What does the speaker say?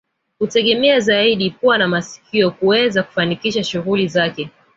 Hutegemea zaidi pua na masikio kuweza kufanikisha shughuli zake